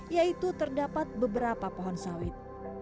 yaitu terdapat beberapa pohon sawit